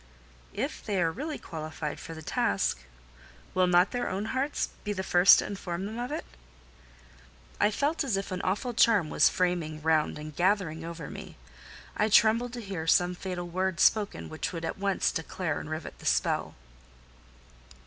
"If they are really qualified for the task, will not their own hearts be the first to inform them of it?" I felt as if an awful charm was framing round and gathering over me: I trembled to hear some fatal word spoken which would at once declare and rivet the spell.